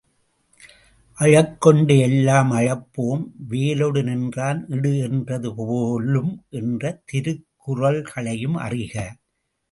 அழக்கொண்ட எல்லாம் அழப்போம்! வேலொடு நின்றான் இடு என்றது போலும் என்ற திருக்குறள்களையும் அறிக.